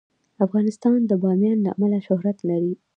افغانستان د بامیان له امله شهرت لري.